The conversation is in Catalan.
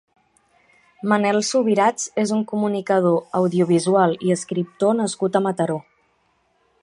Manel Subirats és un comunicador audiovisual i escriptor nascut a Mataró.